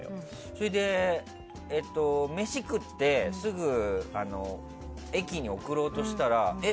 それで、飯食ってすぐ駅に送ろうとしたらえ？